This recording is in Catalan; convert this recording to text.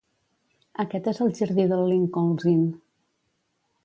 Aquest és el jardí del Lincoln's Inn.